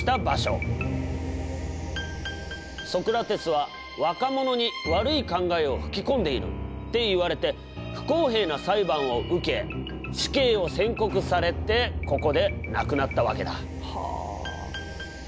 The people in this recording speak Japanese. ソクラテスは若者に悪い考えを吹き込んでいるっていわれて不公平な裁判を受け死刑を宣告されてここで亡くなったわけだ。はあ。